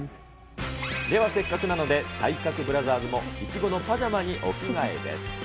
ではせっかくなので、体格ブラザーズもいちごのパジャマにお着替えです。